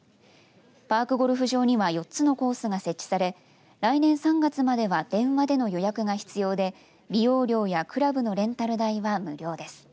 パークゴルフ場には４つのコースが設置され来年３月までは電話での予約が必要で利用料やクラブのレンタル代は無料です。